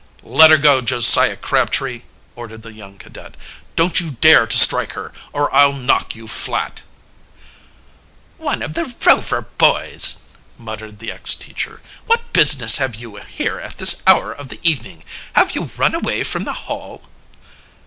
"Let her go, Josiah Crabtree!" ordered the young cadet. "Don't you dare to strike her, or I'll knock you flat!" "One of the Rover boys!" muttered the ex teacher. "What business have you here at this hour of the evening? Have you run away from the Hall?"